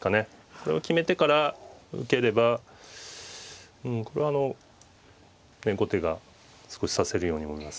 これを決めてから受ければこれはあの後手が少し指せるように思います。